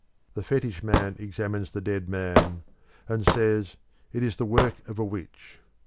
The fetish man examines the dead man and says it is the work of a witch.